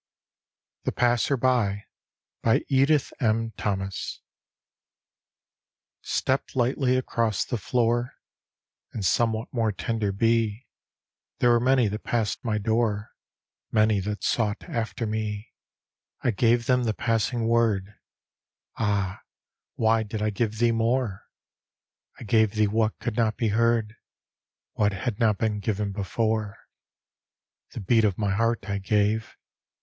THE PASSER BY : edith m. thomas Step lightly across the floor, And somewhat more tender be. There were many that passed my door, Many that sought after me. I gave them the passing word — Ah, why did I give thee more? I gave thee what could not he heard, What had not been given before; The beat of my heart I gave.